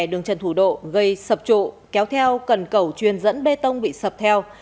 đường trần thủ độ gây sập trụ kéo theo cần cầu truyền dẫn bê tông bị sập theo